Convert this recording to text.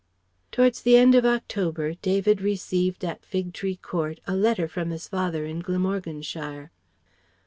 Towards the end of October, David received at Fig Tree Court a letter from his father in Glamorganshire.